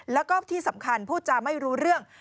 แล้วก็ที่สำคัญพูดจาไม่รู้เรื่อง